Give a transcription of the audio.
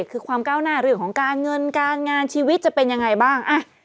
คือความก้าวหน้าเรื่องของการเงินการงานชีวิตจะเป็นยังไงบ้าง